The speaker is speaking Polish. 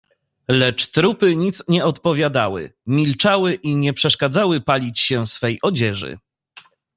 "Lecz trupy nic nie odpowiadały, milczały i nie przeszkadzały palić się swej odzieży."